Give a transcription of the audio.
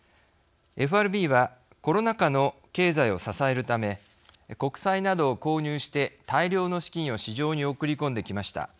ＦＲＢはコロナ禍の経済を支えるため国債などを購入して大量の資金を市場に送り込んできました。